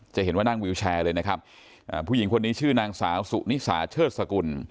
จะเห็นว่านั่งวิวแชร์เลยนะครับผู้หญิงคนนี้ชื่อนางสาวสุนิสาเชิดสกุล